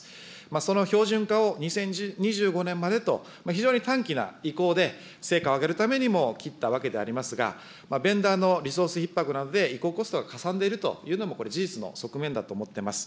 その標準化を２０２５年までと、非常に短期な移行で、成果を上げるためにも切ったわけでありますが、ベンダーのリソースひっ迫などで移行コストがかさんでいるというのもこれ、事実の側面だと思っています。